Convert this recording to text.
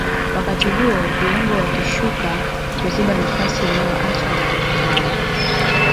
wakati huo viungo wakishuka kuziba nafasi inayoacha na mabeki hao